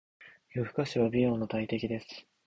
夜更かしは美容の大敵です。